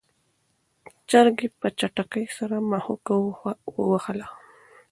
چرګې په چټکۍ سره مښوکه وهله.